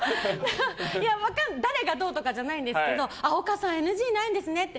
誰がどうとかじゃないんですけど丘さんＮＧないんですねって